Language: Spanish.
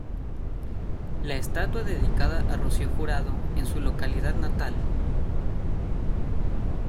La estatua dedicada a Rocío Jurado en su localidad natal.